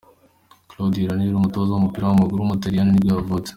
Claudio Ranieri, umutoza w’umupira w’amaguru w’umutaliyani nibwo yavutse.